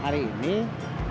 jadi junaidin elpo mau apa